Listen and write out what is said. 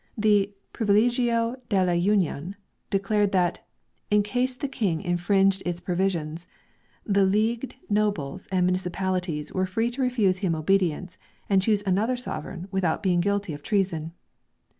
The " Privilegio de la Union " declared that, in case the King infringed its provisions, the leagued nobles and municipalities were free to refuse him obedience and choose another sovereign without being guilty of treason.